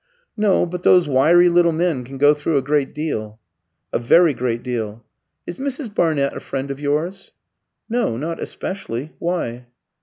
"No; but those wiry little men can go through a great deal." "A very great deal. Is Mrs. Barnett a friend of yours?" "No, not especially. Why?"